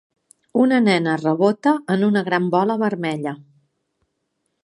Una nena rebota en una gran bola vermella.